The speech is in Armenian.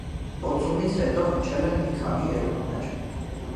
Օծումից հետո հնչել են մի քանի ելույթներ։